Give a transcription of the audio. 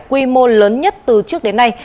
quy mô lớn nhất từ trước đến nay